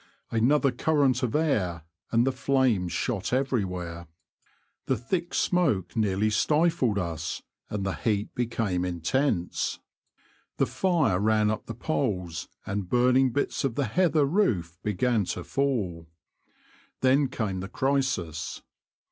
Another current of air and i6o The Confessions of a T^oacher, the flames shot everywhere. The thick smoke nearly stifled us, and the heat became intense. The fire ran up the poles, and burning bits of the heather roof began to fall. Then came the crisis.